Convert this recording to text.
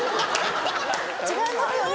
違いますよね。